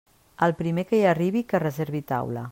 El primer que hi arribi que reservi taula.